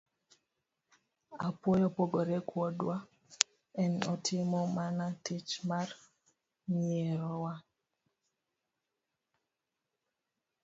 Apuoyo pogore kodwa, en otimo mana tich mar nyierowa.